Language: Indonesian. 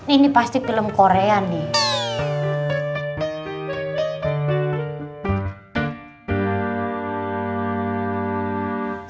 ini pasti film korea nih